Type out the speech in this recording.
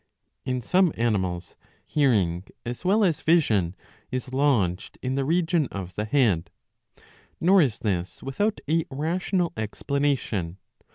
In some animals hearing as well as vision is lodged in the region of the head. Nor is this without a rational explanation.